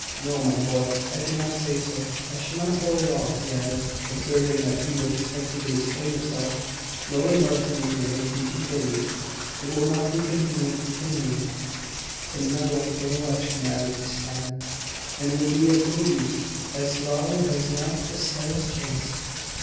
"No, my boy. I did not say so. I shall not vote at all," he added, observing that he was expected to explain himself. No remark being made, he continued "It will not be convenient to me to meddle in election matters this time; and it would be of no use, as Lowry has not the slightest chance.